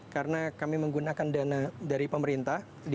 karena kami menggunakan dana dari pemerintah